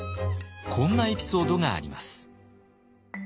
こんなエピソードがあります。